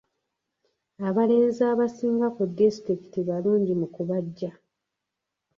Abalenzi abasinga ku disitulikiti balungi mu kubajja.